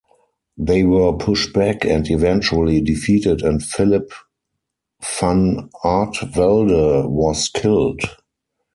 They were pushed back and eventually defeated and Philip van Artevelde was killed.